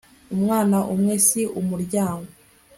umwana umwe si umuryango